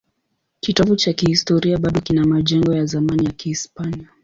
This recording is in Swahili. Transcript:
Kitovu cha kihistoria bado kina majengo ya zamani ya Kihispania.